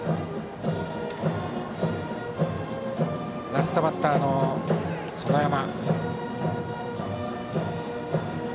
ラストバッターの園山。